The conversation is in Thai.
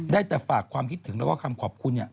ได้แต่ฝากความคิดถึงแล้วก็คำขอบคุณ